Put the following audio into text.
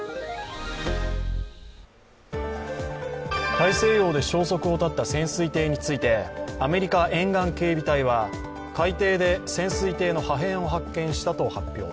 大西洋で消息を絶った潜水艇について、アメリカ沿岸警備隊は、海底で潜水艇の破片を発見したと発表。